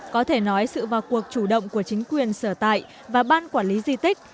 có thể nói sự vào cuộc chủ động của chính quyền sở tại và ban quản lý di tích